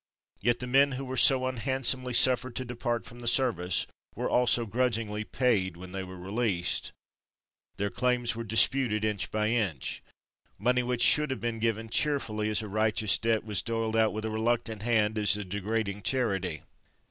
Yet the men who were so unhandsomely suffered to depart from the service were also grudgingly paid when they were released. "Their claims were disputed inch by inch. Money which should have been given cheerfully as a righteous debt was doled out with a reluctant hand as a degrading charity."